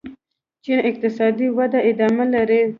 چین اقتصادي وده ادامه لري.